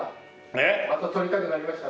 えっ？また撮りたくなりました？